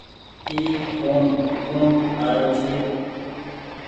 اي ڦون ڪوڻ لآيو ڇي۔